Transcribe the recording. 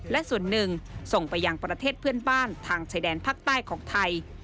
และส่วนหนึ่งส่งไปยังประเทศเพื่อนบ้านทางชายแดนภาคใต้ของไทย